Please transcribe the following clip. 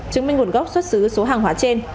chứng minh nguồn gốc xuất xứ số hàng hóa trên